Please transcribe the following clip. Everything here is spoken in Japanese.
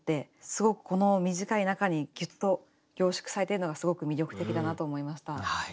すごくこの短い中にギュッと凝縮されているのがすごく魅力的だなと思いました。